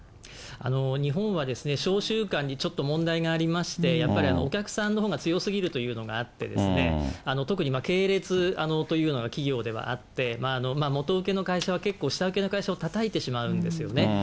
日本は商習慣に問題がありまして、やっぱりお客さんのほうが強すぎるというのがあって、特に系列というのが、企業ではあって、元受けの会社は、結構下請けの会社をたたいてしまうんですよね。